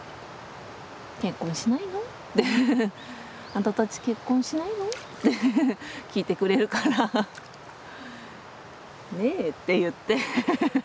「あんたたち結婚しないの？」って聞いてくれるから「ねえ」って言って。